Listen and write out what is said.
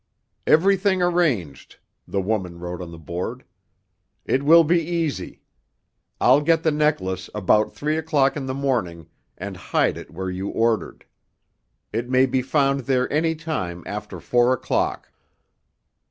"Everything arranged," the woman wrote on the board. "It will be easy. I'll get the necklace about three o'clock in the morning and hide it where you ordered. It may be found there any time after four o'clock."